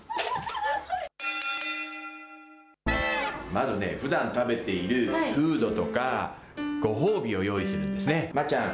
まずね、ふだん食べているフードとか、ご褒美を用意するんですね。